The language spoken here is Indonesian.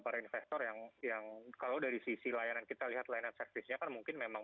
para investor yang yang kalau dari sisi layanan kita lihat layanan servisnya kan mungkin memang